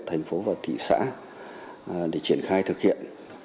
thành phố và thị xã để triển khai thực hiện